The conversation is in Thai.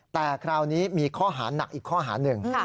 แต่คราวนี้มีข้อหาหนักอีกข้อหาหนึ่ง